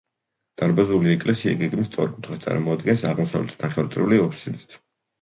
დარბაზული ეკლესია გეგმით სწორკუთხედს წარმოადგენს, აღმოსავლეთით ნახევარწრიული აფსიდით.